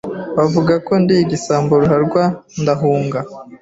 bavuga ko ndi igisambo ruharwa ndahunga